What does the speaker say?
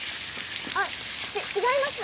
あっち違います。